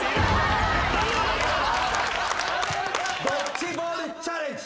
ドッジボールチャレンジ。